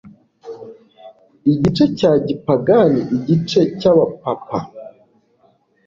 Igice cya gipagani igice cyAbapapa